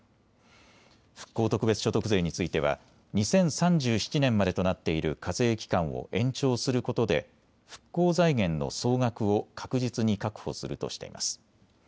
復興特別所得税については２０３７年までとなっている課税期間を延長することで復興財源の総額を確実に確保するとしています。